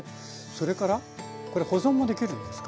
それからこれ保存もできるんですか？